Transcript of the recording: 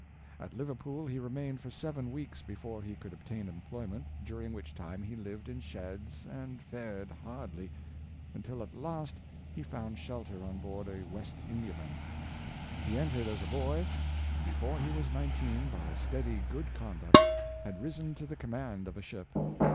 At Liv erpool he remained for seven weeks before he could ob tain employment, during which time he lived in sheds 180 Richard Cohden, and fared hardly, until at last he found shelter on board a West Indiaman. He entered as a boy, and before he was nineteen, by steady good con duct, had risen to the command of a ship.